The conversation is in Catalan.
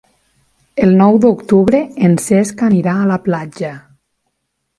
El nou d'octubre en Cesc anirà a la platja.